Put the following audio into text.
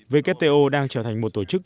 vkto đang trở thành một tổ chức